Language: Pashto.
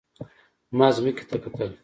ما ځمکې ته کتل.